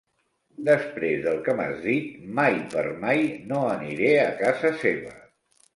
Després del que m'has dit, mai per mai no aniré a casa seva.